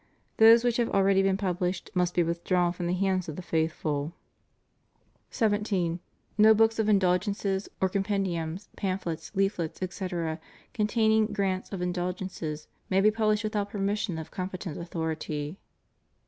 Those which have already been published must be withdrawn from the hands of the faithful. THE PROHIBITION AND CENSORSHIP OF BOOKS. 415 17. No books of indulgences, or compendiums, pam phlets, leaflets, etc., containing grants of indulgences, may be published without permission of competent authority.